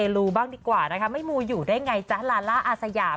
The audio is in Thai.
ลูบ้างดีกว่านะคะไม่มูอยู่ได้ไงจ๊ะลาล่าอาสยาม